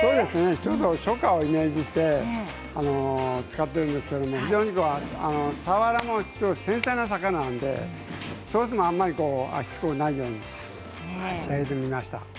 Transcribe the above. ちょっと初夏をイメージして使っているんですけどさわらは繊細な魚でソースもしつこくないように仕上げてみました。